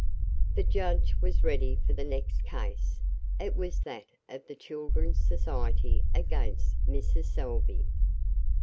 The judge was ready for the next case it was that of the Children's Society against Mrs. Salvey.